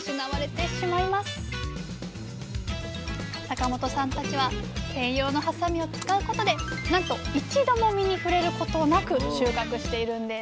坂本さんたちは専用のはさみを使うことでなんと一度も実に触れることなく収穫しているんです。